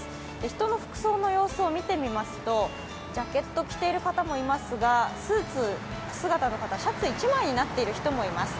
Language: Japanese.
人の服装の様子を見てみますとジャケットを着ている方もいますがスーツ姿の方、シャツ１枚になっている人もいます。